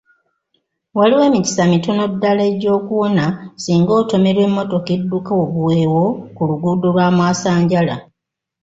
Waliwo emikisa mitono ddaala egy'okuwona singa otomerwa emmotoka edduka obuweewo ku luguudo lwa mwasanjala.